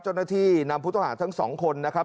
เจ้าหน้าที่นำผู้ต้องหาทั้งสองคนนะครับ